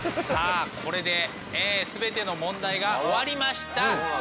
さあこれで全ての問題が終わりました。